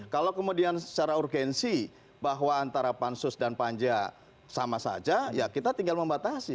kalau kemudian secara urgensi bahwa antara pansus dan panja sama saja ya kita tinggal membatasi